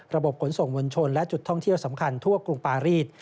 ระบบขนส่งมวลชนและจุดท่องเที่ยวสำคัญทั่วกรุงปารีส